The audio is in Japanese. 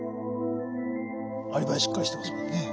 アリバイしっかりしてますもんね。